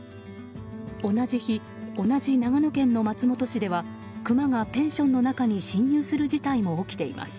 同じ日、同じ長野県の松本市ではクマがペンションの中に侵入する事態も起きています。